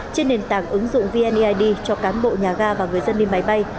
trên nền tảng ứng dụng vneid cho cán bộ nhà ga và người dân đi máy bay